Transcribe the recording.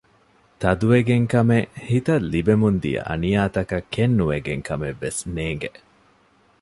ތަދުވެގެން ކަމެއް ހިތަށް ލިބެމުންދިޔަ އަނިޔާތަކަށް ކެތްނުވެގެން ކަމެއް ވެސް ނޭންގެ